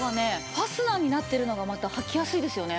ファスナーになってるのが履きやすいですよね。